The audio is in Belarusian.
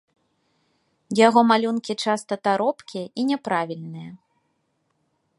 Яго малюнкі часта таропкія і няправільныя.